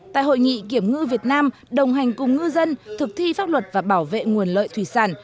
tại hội nghị kiểm ngư việt nam đồng hành cùng ngư dân thực thi pháp luật và bảo vệ nguồn lợi thủy sản